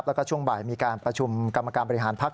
แล้วก็ช่วงบ่ายมีการประชุมกรรมการบริหารพักษ